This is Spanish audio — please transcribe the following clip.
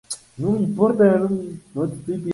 La fachada se organiza en rigurosa simetría.